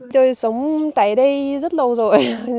tôi sống tại đây rất lâu rồi